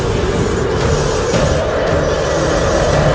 kau pikir aku tak